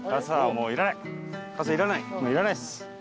もういらないです。